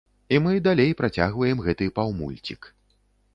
І мы далей працягваем гэты паўмульцік.